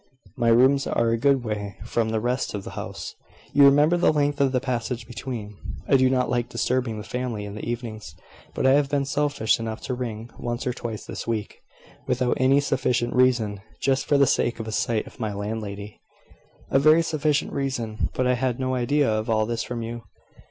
My rooms are a good way from the rest of the house; you remember the length of the passage between. I do not like disturbing the family in the evenings; but I have been selfish enough to ring, once or twice this week, without any sufficient reason, just for the sake of a sight of my landlady." "A very sufficient reason. But I had no idea of all this from you."